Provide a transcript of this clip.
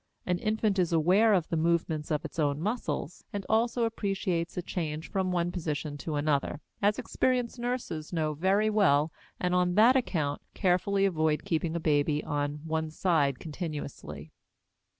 An infant is aware of the movements of its own muscles, and also appreciates a change from one position to another, as experienced nurses know very well, and on that account carefully avoid keeping a baby on one side continuously.